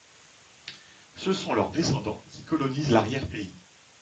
Ce sont leurs descendants qui colonisent l'arrière-pays.